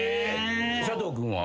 佐藤君は？